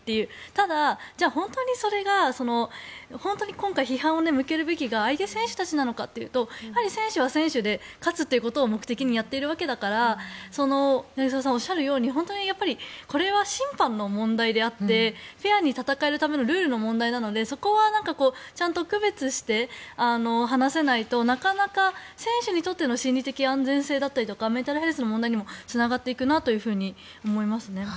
ただ、じゃあ本当にそれが今回、批判を向けるべきが相手選手たちなのかっていうと選手は選手で、勝つということを目的にやっているわけだから柳澤さんがおっしゃるように本当にこれは審判の問題であってフェアに戦えるためのルールの問題なのでそこはちゃんと区別して話さないとなかなか、選手にとっての心理的安全性だったりとかメンタルヘルスの問題にもつながっていくなと思いますね。